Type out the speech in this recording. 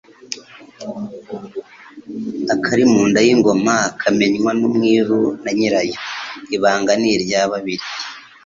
Akari mu nda y'ingoma kamenywa n'umwiru na nyirayo : Ibanga ni irya babiri.